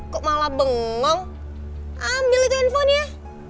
kok malah bengong ambil itu handphone ya